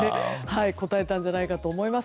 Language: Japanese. こたえたんじゃないかと思います。